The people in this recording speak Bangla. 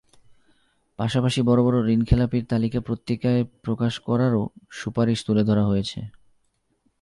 পাশাপাশি বড় বড় ঋণখেলাপির তালিকা পত্রিকায় প্রকাশ করারও সুপারিশ তুলে ধরা হয়েছে।